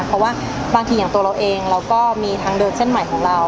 เพราะว่าบางทีอย่างตัวเราเองเราก็มีทางเดินเส้นใหม่ของเรา